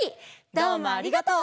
どうもありがとう！